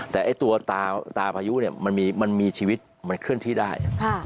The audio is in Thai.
แต่ไอ้ตัวตาพายุเนี่ยมันมีชีวิตมันเคลื่อนที่ได้